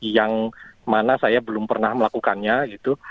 yang mana saya belum pernah melakukannya gitu